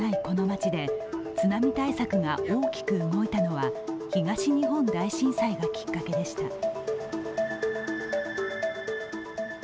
この街で津波対策が大きく動いたのは東日本大震災がきっかけでした。